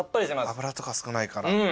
脂とか少ないから。